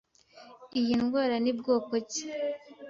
Iyi ndwara ni bwoko ki